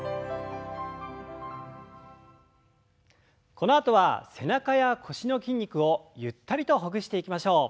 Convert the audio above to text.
このあとは背中や腰の筋肉をゆったりとほぐしていきましょう。